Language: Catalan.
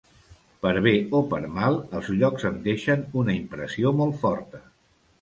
Per bé o per mal els llocs em deixen una impressió molt forta.